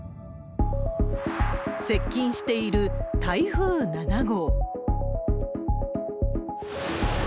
接近している台風７号。